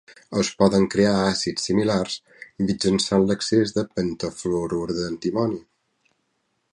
Es poden crear àcids similars mitjançant l'excés de pentafluorur d'antimoni.